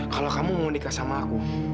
kalau kamu mau nikah sama aku